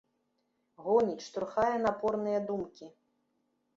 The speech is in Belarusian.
Гоніць, штурхае напорныя думкі.